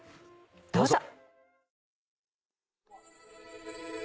どうぞ。